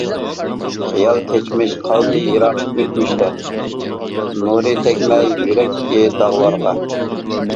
خىيال، كەچمىش قالدى يىراق ئۆتمۈشتە، نۇرى تەگمەي يۈرەكتىكى داغلارغا.